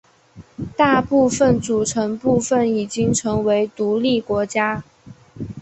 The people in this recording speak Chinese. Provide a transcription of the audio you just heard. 大部分组成部分已经成为独立国家。